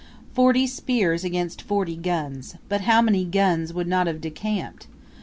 Forty spears against forty guns but how many guns would not have decamped?